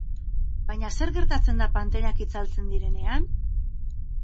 Baina, zer gertatzen da pantailak itzaltzen direnean?